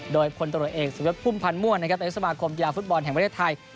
โดยคนตรวจเอกภูมิพันธ์ม่วงในการตัวเลขสมาคมกีฬาฟุตบอลแห่งประเทศไทย